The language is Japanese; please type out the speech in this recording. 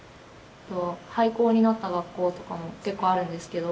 廃校になった学校とかも結構あるんですけど。